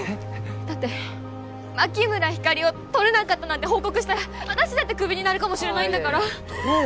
だって牧村ひかりをとれなかったなんて報告したら私だってクビになるかもしれないんだからああ